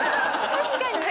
確かに。